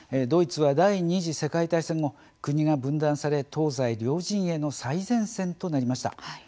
ドイツは第２次世界大戦後国が分断され東西両陣営の最前線となりました。